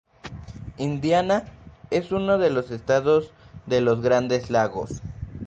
Indiana es uno de los estados de los Grandes Lagos.